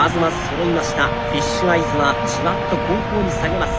フィッシュアイズはじわっと後方に下げます。